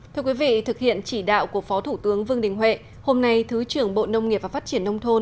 thưa quý vị thực hiện chỉ đạo của phó thủ tướng vương đình huệ hôm nay thứ trưởng bộ nông nghiệp và phát triển nông thôn